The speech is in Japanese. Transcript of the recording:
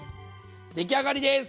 出来上がりです！